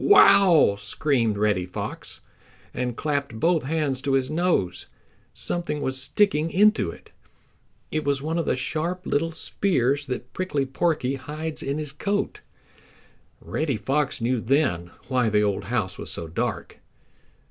"Wow!" screamed Reddy Fox, and clapped both hands to his nose. Something was sticking into it. It was one of the sharp little spears that Prickly Porky hides in his coat. Reddy Fox knew then why the old house was so dark.